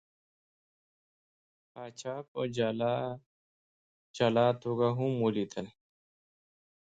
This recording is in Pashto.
پاچا په جلا جلا توګه هم ولیدل.